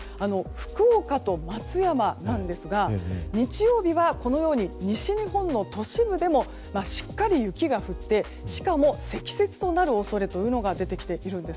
福岡と松山なんですが日曜日はこのように西日本の都市部でもしっかり雪が降ってしかも積雪となる恐れが出てきているんです。